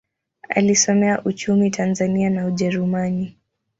Alisomea uchumi Tanzania na Ujerumani.